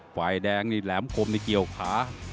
หวาดแดงแหลมโค้งในเกี่ยวกระ